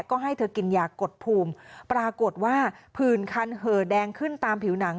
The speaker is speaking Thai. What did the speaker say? ก็ให้เธอกินยากดภูมิปรากฏว่าผื่นคันเหอแดงขึ้นตามผิวหนัง